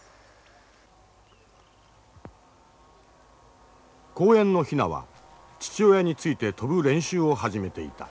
公園のヒナは父親について飛ぶ練習を始めていた。